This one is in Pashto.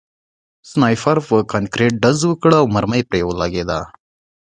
سنایپر په کانکریټ ډز وکړ او مرمۍ پرې ولګېده